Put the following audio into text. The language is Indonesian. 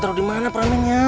tahu di mana permennya